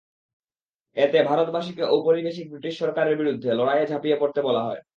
এতে ভারতবাসীকে ঔপনিবেশিক ব্রিটিশ সরকারের বিরুদ্ধে লড়াইয়ে ঝাঁপিয়ে পড়তে বলা হয়।